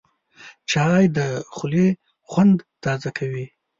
چای د خولې خوند تازه کوي